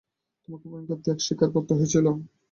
তোমাকে ভয়ংকর ত্যাগ স্বীকার করতে হয়েছিল।